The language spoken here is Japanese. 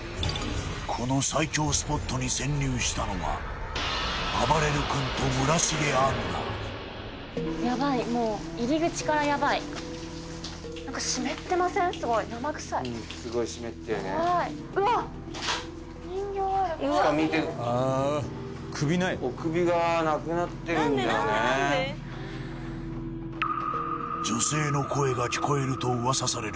この最恐スポットに潜入したのがあばれる君と村重杏奈すごい湿ってるね女性の声が聞こえると噂される